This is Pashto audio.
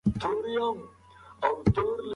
سهارنۍ د تمرکز لپاره اړینه ده.